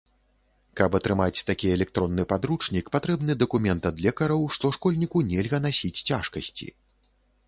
Каб атрымаць такі электронны падручнік, патрэбны дакумент ад лекараў, што школьніку нельга насіць цяжкасці.